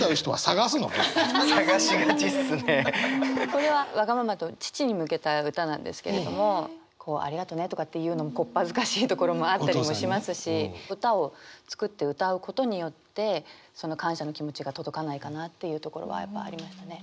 これは「我が儘」と父に向けた歌なんですけれどもこう「ありがとね」とかって言うのもこっぱずかしいところもあったりもしますし歌を作って歌うことによってその感謝の気持ちが届かないかなっていうところはやっぱありましたね。